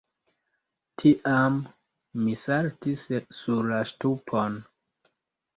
Tiam mi saltis sur la ŝtupon.